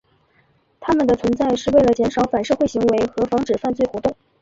他们的存在是为了减少反社会行为和防止犯罪活动。